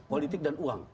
politik dan uang